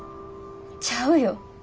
ちゃうよ。